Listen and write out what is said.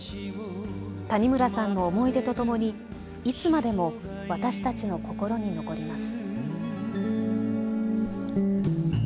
谷村さんの思い出とともにいつまでも私たちの心に残ります。